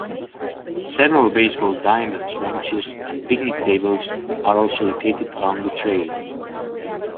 Several baseball diamonds, benches and picnic tables are also located along the trail.